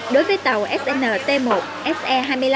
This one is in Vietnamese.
đối với tàu snt một se hai mươi năm